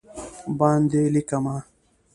باندې لېکمه